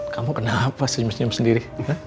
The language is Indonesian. kamu kenapa senyum senyum sendiri